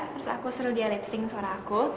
terus aku suruh dia lip sync suara aku